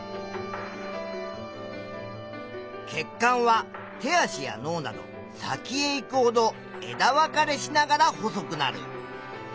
血管は手足や脳など先へ行くほど枝分かれしながら細くなる。